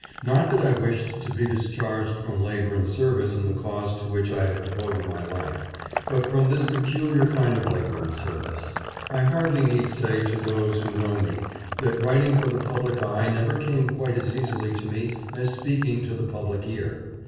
Not that I wished to be discharged from labor and service in the cause to which I have devoted my life, but from this peculiar kind of labor and service. I hardly need say to those who know me, that writing for the public eye never came quite as easily to me as speaking to the public ear.